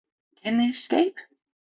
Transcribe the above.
Can they escape?